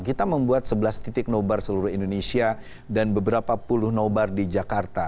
kita membuat sebelas titik nobar seluruh indonesia dan beberapa puluh nobar di jakarta